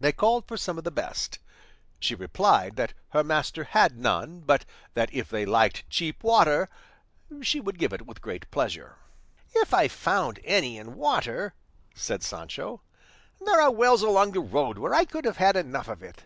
They called for some of the best. She replied that her master had none, but that if they liked cheap water she would give it with great pleasure. "If I found any in water," said Sancho, "there are wells along the road where I could have had enough of it.